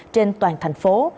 trên toàn thành phố